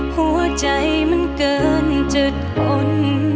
หัวใจมันเกินจุดทน